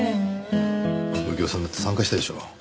右京さんだって参加したいでしょう？